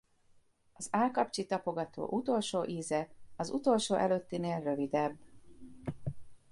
Az állkapcsi tapogató utolsó íze az utolsó előttinél rövidebb.